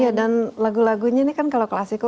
ya dan lagu lagunya ini kan kalau klasik